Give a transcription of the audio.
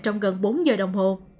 trong gần bốn giờ đồng hồ